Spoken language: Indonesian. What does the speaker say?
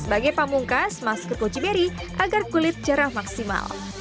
sebagai pamungkas masker koji berry agar kulit cerah maksimal